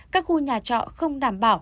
các khu nhà chọn không đảm bảo